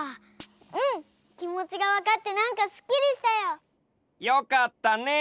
うんきもちがわかってなんかすっきりしたよ！よかったね！